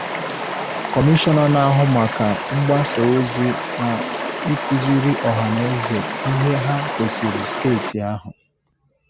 Kọmishọna na-ahụ maka mgbasaozi na ịkụziri ọhaneze ihe ha kwesiri steeti ahụ